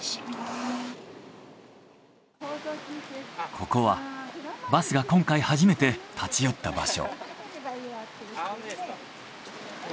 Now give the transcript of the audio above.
ここはバスが今回初めて立ち寄った場所。